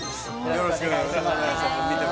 よろしくお願いします